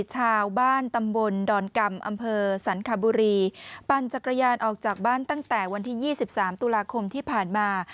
ชาวบ้านตำบลดอนกรรมอำเภอสันคบุรีปั่นจักรยานออกจากบ้านตั้งแต่วันที่๒๓ตุลาคมที่ผ่านมา